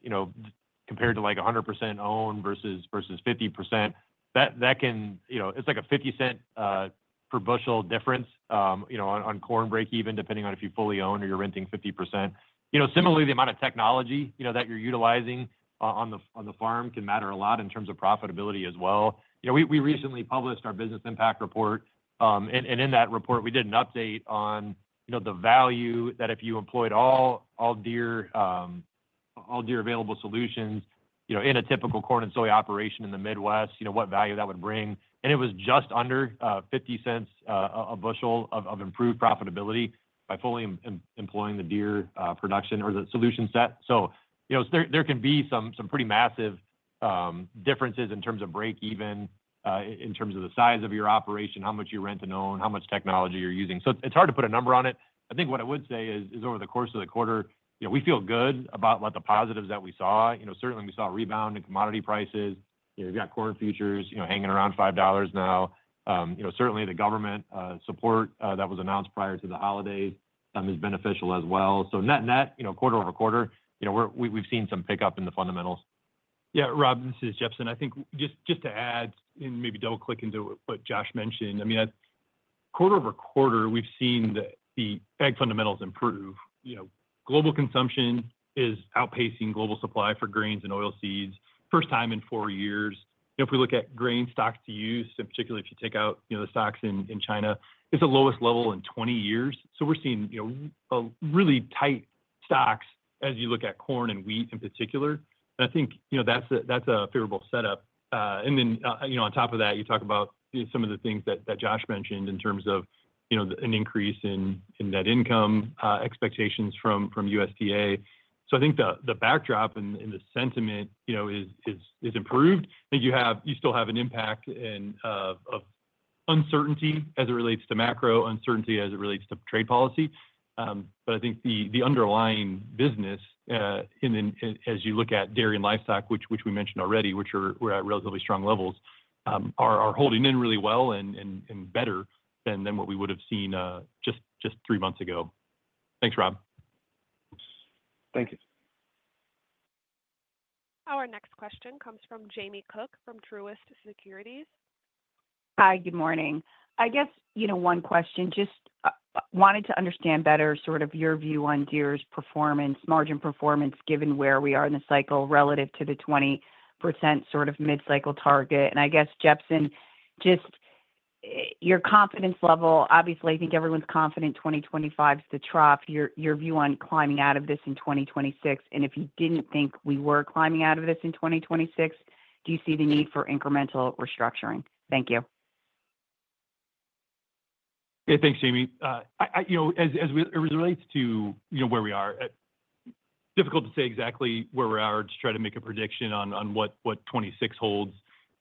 compared to like 100% owned versus 50%, that can, it's like a 50-cent per bushel difference on corn break-even depending on if you fully own or you're renting 50%. Similarly, the amount of technology that you're utilizing on the farm can matter a lot in terms of profitability as well. We recently published our business impact report. And in that report, we did an update on the value that if you employed all Deere available solutions in a typical corn and soy operation in the Midwest, what value that would bring. It was just under $0.50 a bushel of improved profitability by fully employing the Deere production or the solution set. So there can be some pretty massive differences in terms of break-even, in terms of the size of your operation, how much you rent and own, how much technology you're using. So it's hard to put a number on it. I think what I would say is over the course of the quarter, we feel good about the positives that we saw. Certainly, we saw a rebound in commodity prices. We've got corn futures hanging around $5 now. Certainly, the government support that was announced prior to the holidays is beneficial as well. So net-net, quarter over quarter, we've seen some pickup in the fundamentals.
Yeah. Rob, this is Jepsen. I think just to add and maybe double-click into what Josh mentioned. I mean, quarter over quarter, we've seen the ag fundamentals improve. Global consumption is outpacing global supply for grains and oilseeds for the first time in four years. If we look at grain stocks to use, and particularly if you take out the stocks in China, it's the lowest level in 20 years. So we're seeing really tight stocks as you look at corn and wheat in particular. And I think that's a favorable setup. And then on top of that, you talk about some of the things that Josh mentioned in terms of an increase in net income expectations from USDA. So I think the backdrop and the sentiment is improved. I think you still have an impact of uncertainty as it relates to macro, uncertainty as it relates to trade policy. But I think the underlying business, as you look at dairy and livestock, which we mentioned already, which are at relatively strong levels, are holding in really well and better than what we would have seen just three months ago. Thanks, Rob.
Thank you.
Our next question comes from Jamie Cook from Truist Securities.
Hi, good morning. I guess one question, just wanted to understand better sort of your view on Deere's performance, margin performance, given where we are in the cycle relative to the 20% sort of mid-cycle target. And I guess, Jepsen, just your confidence level, obviously, I think everyone's confident 2025 is the trough. Your view on climbing out of this in 2026, and if you didn't think we were climbing out of this in 2026, do you see the need for incremental restructuring? Thank you.
Hey, thanks, Jamie. As it relates to where we are, difficult to say exactly where we are to try to make a prediction on what 2026 holds.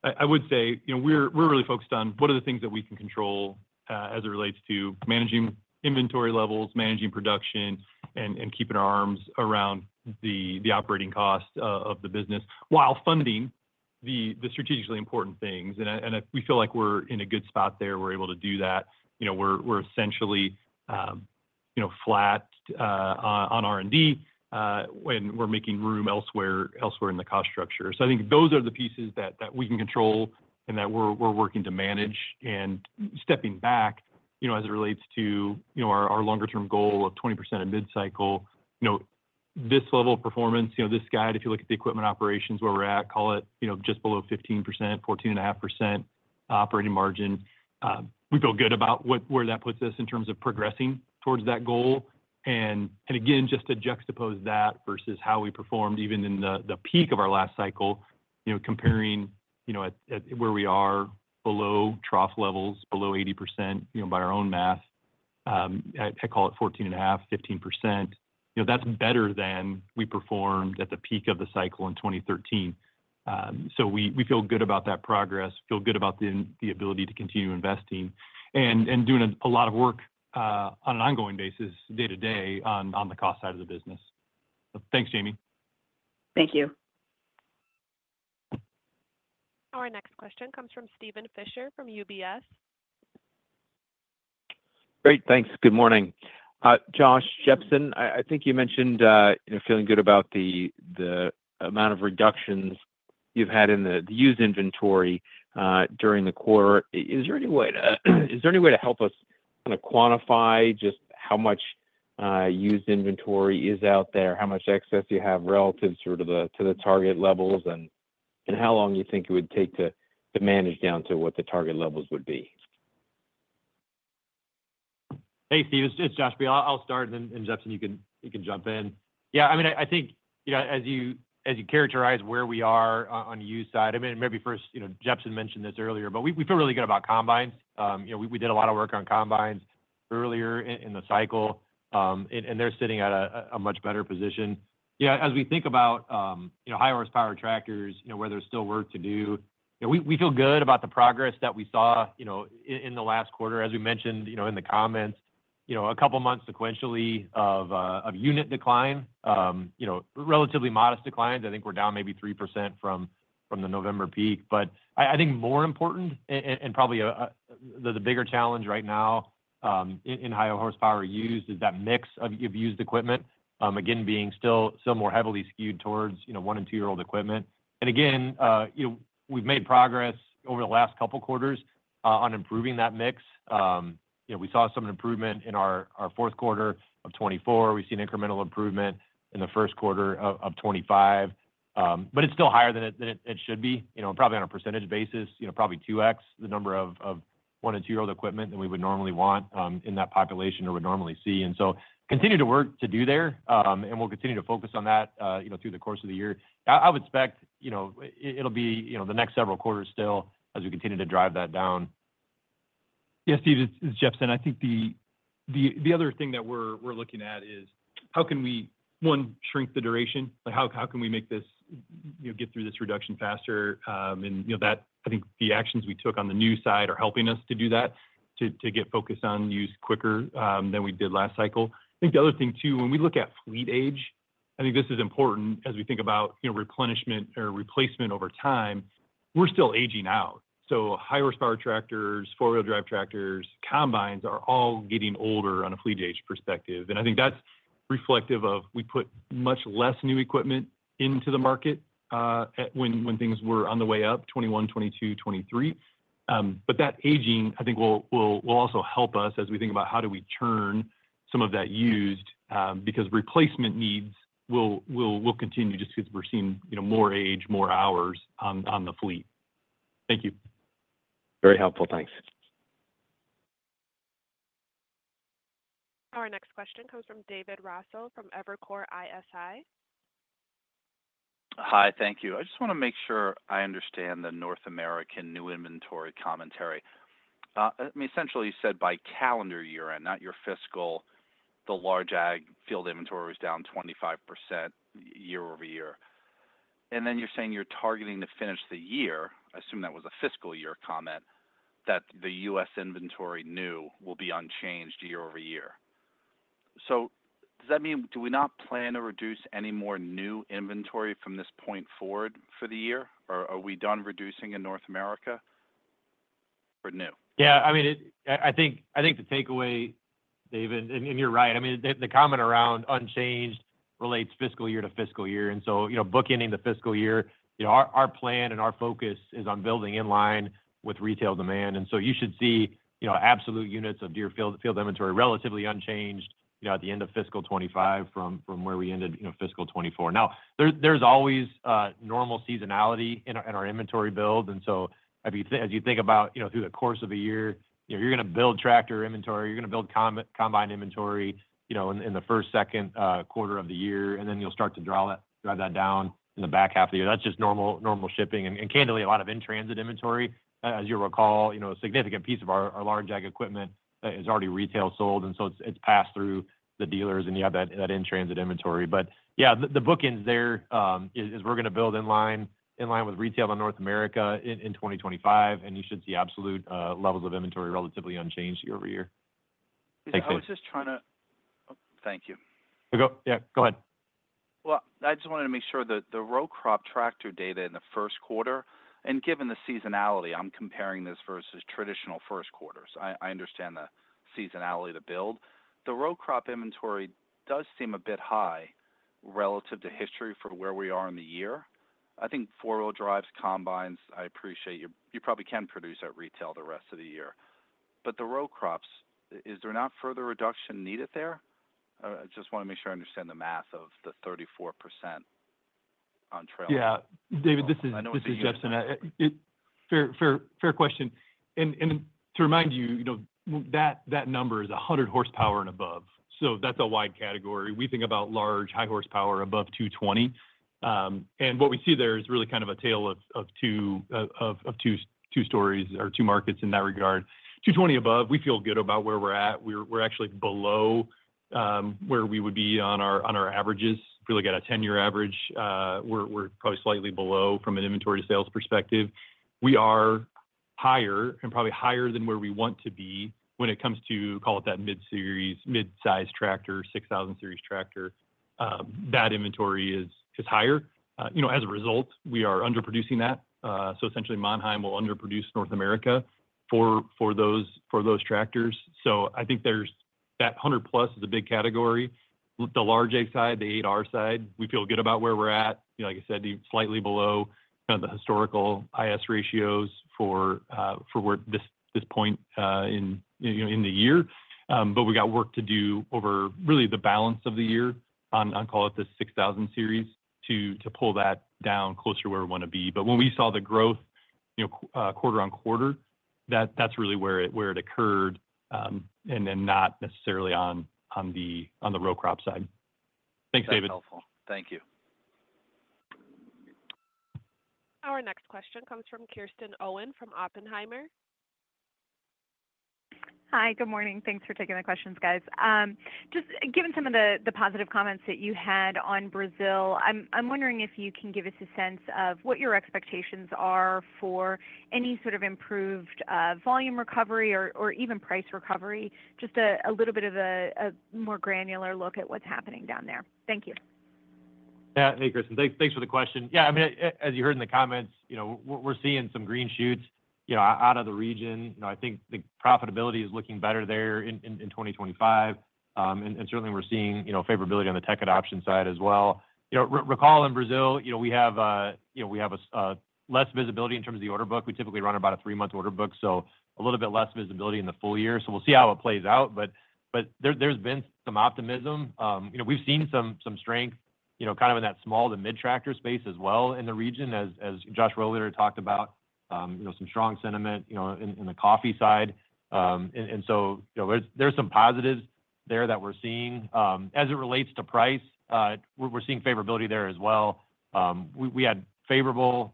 I would say we're really focused on what are the things that we can control as it relates to managing inventory levels, managing production, and keeping our arms around the operating cost of the business while funding the strategically important things. And we feel like we're in a good spot there. We're able to do that. We're essentially flat on R&D, and we're making room elsewhere in the cost structure. So I think those are the pieces that we can control and that we're working to manage. And stepping back as it relates to our longer-term goal of 20% of mid-cycle, this level of performance, this guide, if you look at the equipment operations where we're at, call it just below 15%, 14.5% operating margin, we feel good about where that puts us in terms of progressing towards that goal. And again, just to juxtapose that versus how we performed even in the peak of our last cycle, comparing where we are below trough levels, below 80% by our own math, I call it 14.5%, 15%, that's better than we performed at the peak of the cycle in 2013. So we feel good about that progress, feel good about the ability to continue investing and doing a lot of work on an ongoing basis day-to-day on the cost side of the business. Thanks, Jamie.
Thank you.
Our next question comes from Steven Fisher from UBS.
Great. Thanks. Good morning. Josh Jepsen, I think you mentioned feeling good about the amount of reductions you've had in the used inventory during the quarter. Is there any way to help us kind of quantify just how much used inventory is out there, how much excess you have relative to the target levels, and how long you think it would take to manage down to what the target levels would be?
Hey, Steve, it's Josh Beal. I'll start, and then Jepsen, you can jump in. Yeah. I mean, I think as you characterize where we are on the used side, I mean, maybe first, Jepsen mentioned this earlier, but we feel really good about combines. We did a lot of work on combines earlier in the cycle, and they're sitting at a much better position. Yeah. As we think about high-horsepower tractors, where there's still work to do, we feel good about the progress that we saw in the last quarter. As we mentioned in the comments, a couple of months sequentially of unit decline, relatively modest declines. I think we're down maybe 3% from the November peak. But I think more important and probably the bigger challenge right now in high-horsepower used is that mix of used equipment, again, being still more heavily skewed towards one and two-year-old equipment. Again, we've made progress over the last couple of quarters on improving that mix. We saw some improvement in our fourth quarter of 2024. We've seen incremental improvement in the first quarter of 2025, but it's still higher than it should be, probably on a percentage basis, probably 2x the number of one- and two-year-old equipment than we would normally want in that population or would normally see. And so continue to work to do there, and we'll continue to focus on that through the course of the year. I would expect it'll be the next several quarters still as we continue to drive that down.
Yeah, Steve, this is Jepsen. I think the other thing that we're looking at is how can we, one, shrink the duration? How can we make this get through this reduction faster? And I think the actions we took on the new side are helping us to do that, to get focused on used quicker than we did last cycle. I think the other thing too, when we look at fleet age, I think this is important as we think about replenishment or replacement over time. We're still aging out. So high-horsepower tractors, four-wheel-drive tractors, combines are all getting older on a fleet age perspective. And I think that's reflective of we put much less new equipment into the market when things were on the way up 2021, 2022, 2023. But that aging, I think, will also help us as we think about how do we churn some of that used because replacement needs will continue just because we're seeing more age, more hours on the fleet. Thank you.
Very helpful. Thanks.
Our next question comes from David Raso from Evercore ISI.
Hi, thank you. I just want to make sure I understand the North American new inventory commentary. I mean, essentially, you said by calendar year end, not your fiscal, the large ag field inventory was down 25% year over year. And then you're saying you're targeting to finish the year. I assume that was a fiscal year comment that the U.S. inventory new will be unchanged year over year. So does that mean do we not plan to reduce any more new inventory from this point forward for the year? Or are we done reducing in North America for new?
Yeah. I mean, I think the takeaway, David, and you're right. I mean, the comment around unchanged relates fiscal year to fiscal year. So bookending the fiscal year, our plan and our focus is on building in line with retail demand. So you should see absolute units of Deere field inventory relatively unchanged at the end of fiscal 2025 from where we ended fiscal 2024. Now, there's always normal seasonality in our inventory build. So as you think about through the course of the year, you're going to build tractor inventory. You're going to build combine inventory in the first, second quarter of the year. Then you'll start to drive that down in the back half of the year. That's just normal shipping. And candidly, a lot of in-transit inventory, as you'll recall, a significant piece of our large ag equipment is already retail sold. It's passed through the dealers, and you have that in-transit inventory. Yeah, the bookends there is we're going to build in line with retail in North America in 2025. You should see absolute levels of inventory relatively unchanged year over year.
Thank you.
Yeah, go ahead.
I just wanted to make sure the row crop tractor data in the first quarter, and given the seasonality, I'm comparing this versus traditional first quarters. I understand the seasonality to build. The row crop inventory does seem a bit high relative to history for where we are in the year. I think four-wheel drives, combines, I appreciate you probably can produce at retail the rest of the year. But the row crops, is there not further reduction needed there? I just want to make sure I understand the math of the 34% on trailer.
Yeah. David, this is Jepsen. Fair question. And to remind you, that number is 100 horsepower and above. So that's a wide category. We think about large, high horsepower above 220. And what we see there is really kind of a tale of two stories or two markets in that regard. 220 above, we feel good about where we're at. We're actually below where we would be on our averages. If we look at a 10-year average, we're probably slightly below from an inventory to sales perspective. We are higher and probably higher than where we want to be when it comes to, call it that mid-series, mid-size tractor, 6 Series tractor. That inventory is higher. As a result, we are underproducing that. So essentially, Mannheim will underproduce North America for those tractors. So I think that 100-plus is a big category. The large ag side, the 8R side, we feel good about where we're at. Like I said, slightly below kind of the historical I/S ratios for this point in the year. But we got work to do over really the balance of the year on, call it the 6 Series to pull that down closer to where we want to be. But when we saw the growth quarter on quarter, that's really where it occurred and then not necessarily on the row crop side. Thanks, David.
That's helpful. Thank you.
Our next question comes from Kristen Owen from Oppenheimer.
Hi, good morning. Thanks for taking the questions, guys. Just given some of the positive comments that you had on Brazil, I'm wondering if you can give us a sense of what your expectations are for any sort of improved volume recovery or even price recovery, just a little bit of a more granular look at what's happening down there. Thank you.
Yeah. Hey, Kristen. Thanks for the question. Yeah. I mean, as you heard in the comments, we're seeing some green shoots out of the region. I think the profitability is looking better there in 2025. And certainly, we're seeing favorability on the tech adoption side as well. Recall in Brazil, we have less visibility in terms of the order book. We typically run about a three-month order book, so a little bit less visibility in the full year. So we'll see how it plays out. But there's been some optimism. We've seen some strength kind of in that small to mid-tractor space as well in the region, as Josh Rohleder talked about, some strong sentiment in the coffee side. And so there's some positives there that we're seeing. As it relates to price, we're seeing favorability there as well. We had favorable,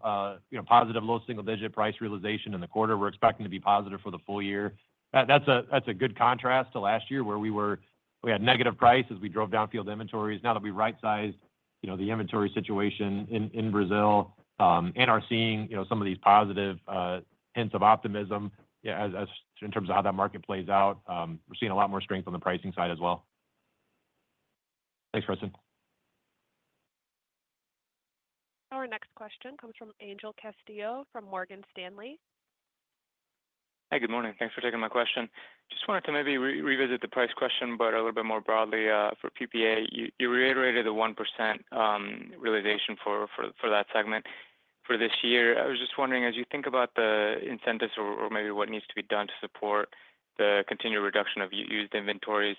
positive, low single-digit price realization in the quarter. We're expecting to be positive for the full year. That's a good contrast to last year where we had negative price as we drove down field inventories. Now that we right-sized the inventory situation in Brazil and are seeing some of these positive hints of optimism in terms of how that market plays out, we're seeing a lot more strength on the pricing side as well. Thanks, Kristen.
Our next question comes from Angel Castillo from Morgan Stanley.
Hey, good morning. Thanks for taking my question. Just wanted to maybe revisit the price question, but a little bit more broadly for PPA. You reiterated the 1% realization for that segment for this year. I was just wondering, as you think about the incentives or maybe what needs to be done to support the continued reduction of used inventories,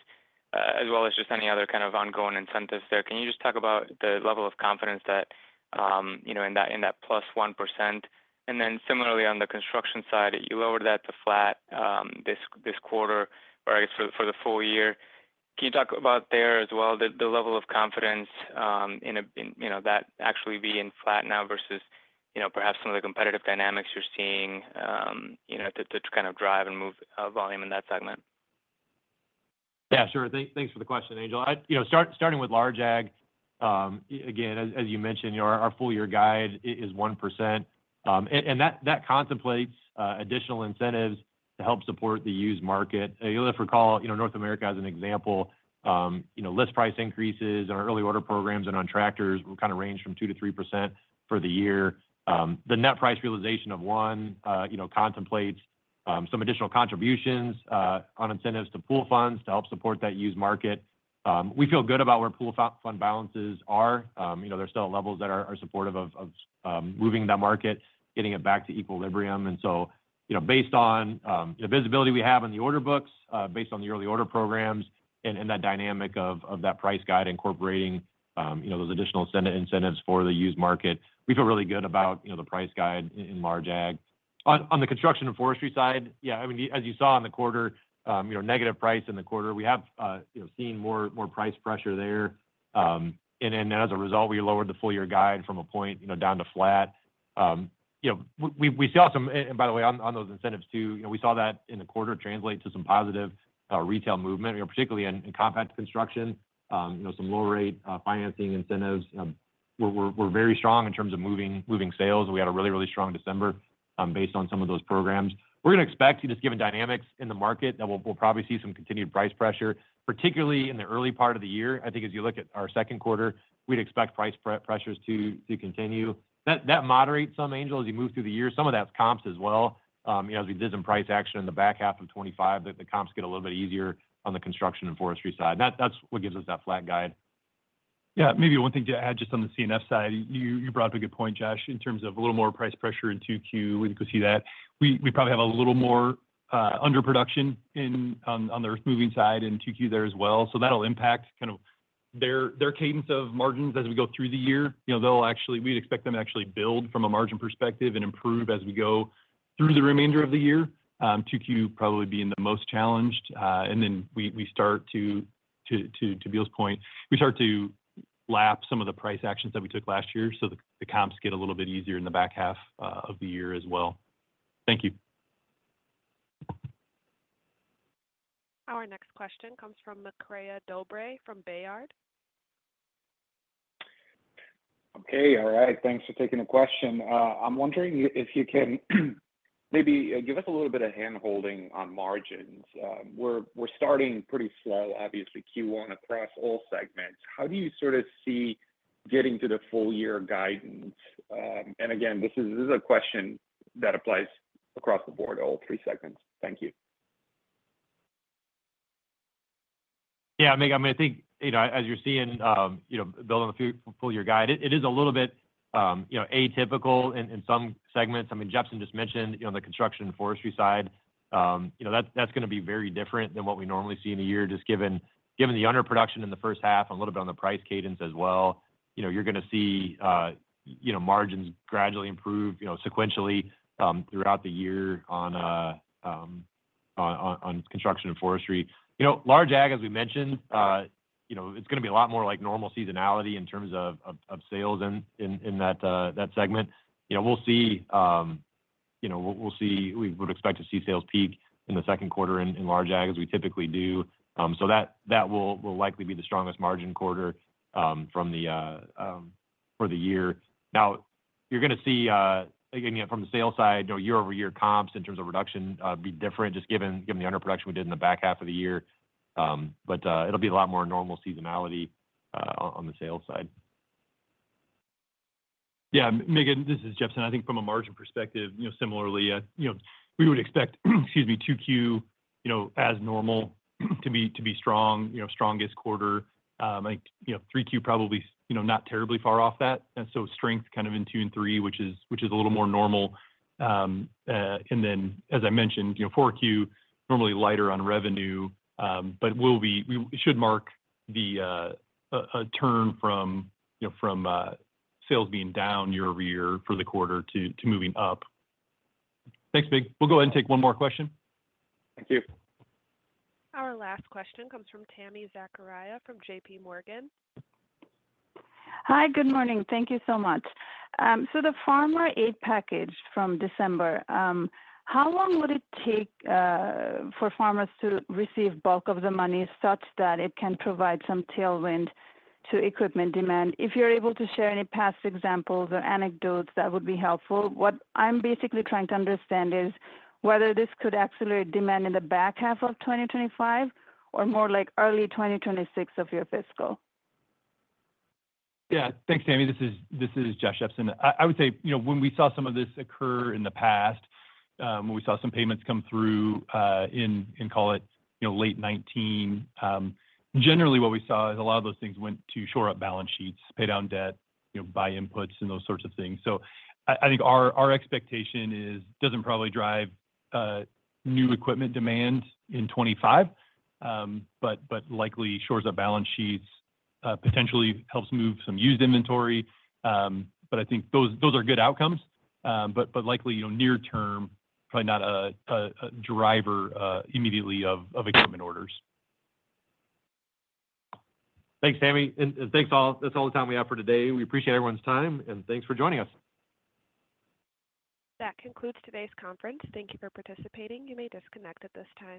as well as just any other kind of ongoing incentives there, can you just talk about the level of confidence in that +1%? And then similarly, on the construction side, you lowered that to flat this quarter, or I guess for the full year. Can you talk about there as well, the level of confidence in that actually being flat now versus perhaps some of the competitive dynamics you're seeing to kind of drive and move volume in that segment?
Yeah, sure. Thanks for the question, Angel. Starting with large ag, again, as you mentioned, our full-year guide is 1%, and that contemplates additional incentives to help support the used market. If you'll recall, North America, as an example, list price increases on early order programs and on tractors will kind of range from 2%-3% for the year. The net price realization of 1% contemplates some additional contributions on incentives to pool funds to help support that used market. We feel good about where pool fund balances are. There's still levels that are supportive of moving that market, getting it back to equilibrium, and so based on the visibility we have on the order books, based on the early order programs, and that dynamic of that price guide incorporating those additional incentives for the used market, we feel really good about the price guide in large ag. On the construction and forestry side, yeah, I mean, as you saw in the quarter, negative price in the quarter. We have seen more price pressure there, and as a result, we lowered the full-year guide from a point down to flat. We saw some, and by the way, on those incentives too, we saw that in the quarter translate to some positive retail movement, particularly in compact construction, some low-rate financing incentives. We're very strong in terms of moving sales. We had a really, really strong December based on some of those programs. We're going to expect, just given dynamics in the market, that we'll probably see some continued price pressure, particularly in the early part of the year. I think as you look at our second quarter, we'd expect price pressures to continue. That moderates some, Angel, as you move through the year. Some of that's comps as well. As we did some price action in the back half of 2025, the comps get a little bit easier on the construction and forestry side. That's what gives us that flat guide.
Yeah. Maybe one thing to add just on the C&F side, you brought up a good point, Josh, in terms of a little more price pressure in Q2. We could see that. We probably have a little more underproduction on the earth-moving side in Q2 there as well. So that'll impact kind of their cadence of margins as we go through the year. We'd expect them to actually build from a margin perspective and improve as we go through the remainder of the year. Q2 probably being the most challenged. And then we start to, to Bill's point, we start to lap some of the price actions that we took last year. So the comps get a little bit easier in the back half of the year as well. Thank you.
Our next question comes from Mircea Dobre from Baird.
Okay. All right. Thanks for taking the question. I'm wondering if you can maybe give us a little bit of hand-holding on margins. We're starting pretty slow, obviously, Q1 across all segments. How do you sort of see getting to the full-year guidance? And again, this is a question that applies across the board, all three segments. Thank you.
Yeah. I mean, I think as you're seeing building the full-year guide, it is a little bit atypical in some segments. I mean, Jepsen just mentioned the construction and forestry side. That's going to be very different than what we normally see in a year, just given the underproduction in the first half and a little bit on the price cadence as well. You're going to see margins gradually improve sequentially throughout the year on construction and forestry. Large ag, as we mentioned, it's going to be a lot more like normal seasonality in terms of sales in that segment. We'll see. We would expect to see sales peak in the second quarter in large ag, as we typically do. So that will likely be the strongest margin quarter for the year. Now, you're going to see, again, from the sales side, year-over-year comps in terms of reduction be different, just given the underproduction we did in the back half of the year, but it'll be a lot more normal seasonality on the sales side.
Yeah. Mircea, this is Jepsen. I think from a margin perspective, similarly, we would expect, excuse me, Q2 as normal to be strong, strongest quarter. I think Q3 probably not terribly far off that. And so strength kind of in Q2 and Q3, which is a little more normal. And then, as I mentioned, Q4, normally lighter on revenue, but we should mark a turn from sales being down year over year for the quarter to moving up. Thanks, Mircea. We'll go ahead and take one more question.
Thank you.
Our last question comes from Tami Zakaria from JPMorgan.
Hi, good morning. Thank you so much. So the farmer aid package from December, how long would it take for farmers to receive bulk of the money such that it can provide some tailwind to equipment demand? If you're able to share any past examples or anecdotes, that would be helpful. What I'm basically trying to understand is whether this could accelerate demand in the back half of 2025 or more like early 2026 of your fiscal.
Yeah. Thanks, Tami. This is Josh Jepsen. I would say when we saw some of this occur in the past, when we saw some payments come through in, call it late 2019, generally what we saw is a lot of those things went to shore up balance sheets, pay down debt, buy inputs, and those sorts of things. So I think our expectation doesn't probably drive new equipment demand in 2025, but likely shores up balance sheets potentially helps move some used inventory. But I think those are good outcomes, but likely near-term, probably not a driver immediately of equipment orders.
Thanks, Tami, and thanks. That's all the time we have for today. We appreciate everyone's time, and thanks for joining us.
That concludes today's conference. Thank you for participating. You may disconnect at this time.